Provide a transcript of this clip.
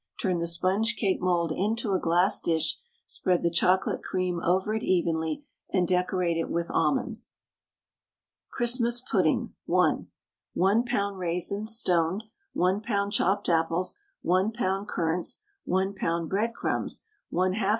Turn the sponge cake mould into a glass dish, spread the chocolate cream over it evenly, and decorate it with almonds. CHRISTMAS PUDDING (1). 1 lb. raisins (stoned), 1 lb. chopped apples, 1 lb. currants, 1 lb. breadcrumbs, 1/2 lb.